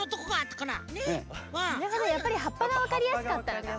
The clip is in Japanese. だからやっぱりはっぱがわかりやすかったんだね。